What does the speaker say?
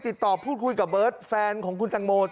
ติดต่อพูดคุยกับเบิร์ตแฟนของคุณตังโม